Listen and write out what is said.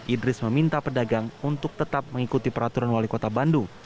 idris meminta pedagang untuk tetap mengikuti peraturan wali kota bandung